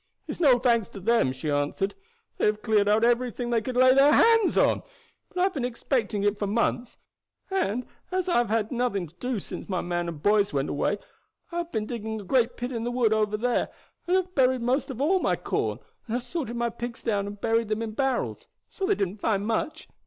"It's no thanks to them," she answered; "they have cleared out everything that they could lay their hands on. But I have been expecting it for months, and, as I have had nothing to do since my man and boys went away, I have been digging a great pit in the wood over there, and have buried most all my corn, and have salted my pigs down and buried them in barrels; so they didn't find much.